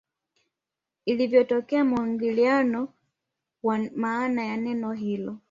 Ilivyotokea muingiliano wa maana ya neno hilo